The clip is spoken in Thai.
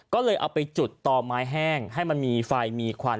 ก็เลยเอาไปจุดต่อไม้แห้งให้มันมีไฟมีควัน